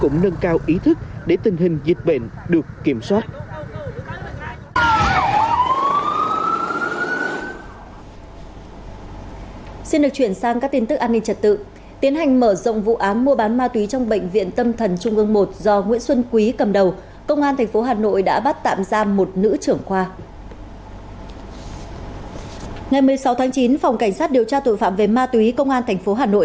ngày một mươi sáu tháng chín phòng cảnh sát điều tra tội phạm về ma túy công an tp hà nội